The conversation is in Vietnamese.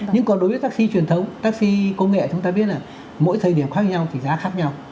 nhưng còn đối với taxi truyền thống taxi công nghệ chúng ta biết là mỗi thời điểm khác nhau thì giá khác nhau